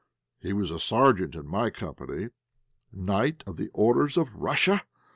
He was sergeant in my company. Knight of the Orders of Russia!